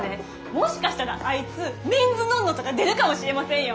もしかしたらあいつ「ＭＥＮ’ＳＮＯＮ−ＮＯ」とか出るかもしれませんよ。